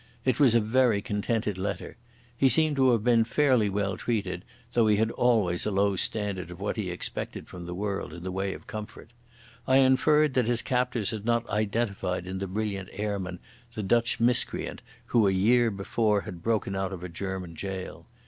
It was a very contented letter. He seemed to have been fairly well treated, though he had always a low standard of what he expected from the world in the way of comfort. I inferred that his captors had not identified in the brilliant airman the Dutch miscreant who a year before had broken out of a German jail.